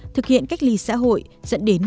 thực hiện cách ly xã hội dẫn đến không phối hợp